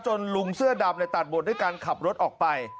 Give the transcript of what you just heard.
ลุงเสื้อดำตัดบทด้วยการขับรถออกไป